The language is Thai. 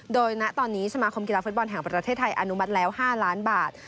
โดยณตอนนี้สมาคมกีฬาฟุตบอลแห่งประเทศไทยอนุมัติแล้ว๕ล้านบาท